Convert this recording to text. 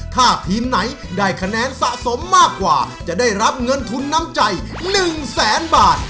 ถ้าทีมไหนได้คะแนนสะสมมากกว่าจะได้รับเงินทุนน้ำใจ๑แสนบาท